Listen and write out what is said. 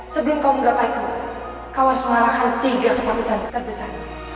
sebelum kau menggapai ku kau harus mengalahkan tiga ketakutan terbesar